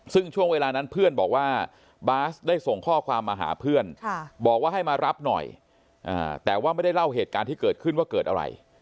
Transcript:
ซึ่งช่วงเวลานั้นเพื่อนบอกว่าบาสได้ส่งข้อความมาหาเพื่อนบอกว่าให้มารับหน่อยแต่ว่าไม่ได้เล่าเหตุการณ์ที่เกิดขึ้นว่าเกิดอะไร